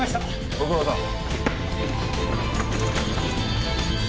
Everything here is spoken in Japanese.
ご苦労さん。